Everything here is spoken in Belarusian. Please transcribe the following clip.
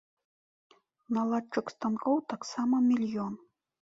Наладчык станкоў таксама мільён.